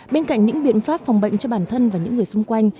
bên cạnh những biện pháp phòng bệnh cho bản thân và những người xung quanh